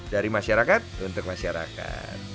dari masyarakat untuk masyarakat